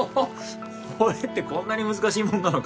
これってこんなに難しいもんなのか。